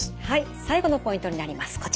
はい最後のポイントになります。